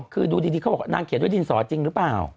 คือดูดีเขาบอกนางเขียนด้วยดินสอจริงหรือเปล่า